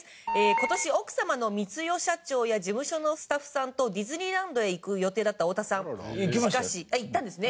「今年奥様の光代社長や事務所のスタッフさんとディズニーランドへ行く予定だった太田さん」行きましたよ。